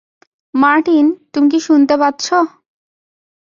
Martin, তুমি কি শুনতে পাচ্ছ?